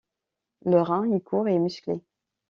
Le rein est court et musclé.